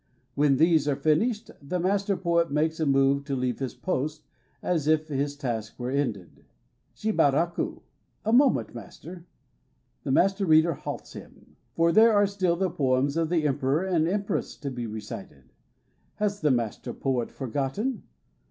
When these are finished, the Master i>oet makes a move to leave his post, as if his task were ended. "Shibaraku" (a moment. Master) ! The Master reader halts him, for there are still the poems of the Emperor and Empress to be recited. Has the Master poet forgotten?